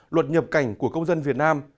luật nhập cảnh của công dân việt nam